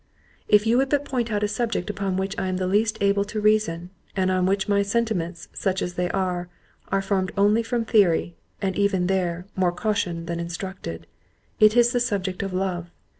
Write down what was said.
"If you would point out a subject upon which I am the least able to reason, and on which my sentiments, such as they are, are formed only from theory, (and even there, more cautioned than instructed) it is the subject of love.